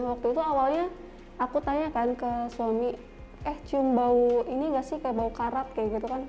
waktu itu awalnya aku tanya kan ke suami eh cium bau ini gak sih kayak bau karat kayak gitu kan